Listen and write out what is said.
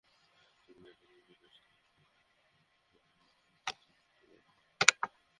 তুমি যেটা করার চেষ্টা করছো তা হচ্ছে মানবতাকে তার স্বাভাবিক বিন্যাস থেকে মুক্ত করা।